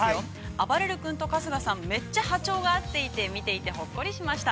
◆あばれる君と春日さん、めっちゃ波長が合っていて、見ていて、ほっこりしました。